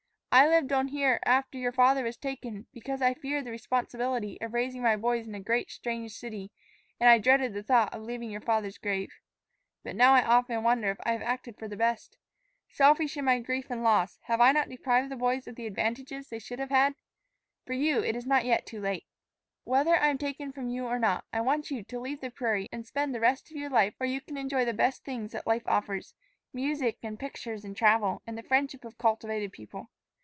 I lived on here after your father was taken because I feared the responsibility of raising my boys in a great, strange city; and I dreaded the thought of leaving your father's grave. But now I often wonder if I have acted for the best. Selfish in my grief and loss, have I not deprived the boys of the advantages they should have had? For you, it is not yet too late. "Whether I am taken from you or not, I want you to leave the prairie and spend the rest of your life where you can enjoy the best things that life offers music and pictures and travel, and the friendship of cultivated people.